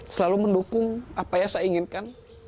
selalu mendukung apa yang saya inginkan